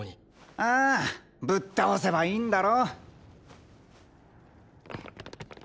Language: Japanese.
ああぶっ倒せばいいんだろ。